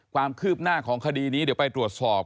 ความคืบหน้าของคดีนี้เดี๋ยวไปตรวจสอบ